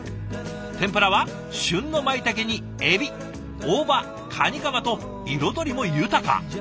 天ぷらは旬のマイタケにエビ大葉カニカマと彩りも豊か。